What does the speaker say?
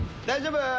大丈夫？